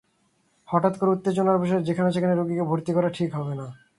হঠাৎ করে উত্তেজনার বশে যেখানেসেখানে রোগীকে ভর্তি করা ঠিক হবে না।